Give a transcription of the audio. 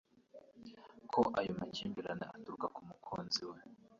ko ayo makimbirane aturuka ku mukunzi we